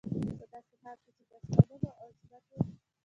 په داسي حال كي چي د آسمانونو او زمكي